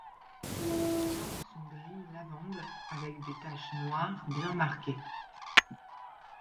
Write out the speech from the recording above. Ses flancs sont gris lavande avec des taches noires bien marquées.